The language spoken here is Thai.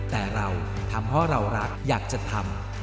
แต่เราทำเพราะเรารักอยากจะทำ